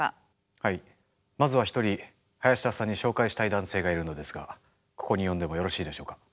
はいまずは一人林田さんに紹介したい男性がいるのですがここに呼んでもよろしいでしょうか？